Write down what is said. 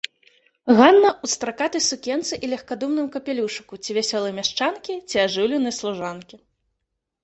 Ганна ў стракатай сукенцы і легкадумным капялюшыку ці вясёлай мяшчанкі, ці ажыўленай служанкі.